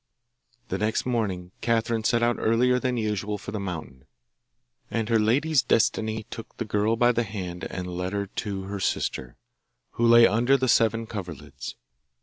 The next morning Catherine set out earlier than usual for the mountain, and her lady's Destiny took the girl by the hand and led her to her sister, who lay under the seven coverlids.